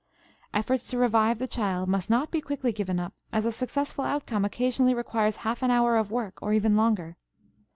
Efforts to revive the child must not be quickly given up, as a successful outcome occasionally requires half an hour of work or even longer.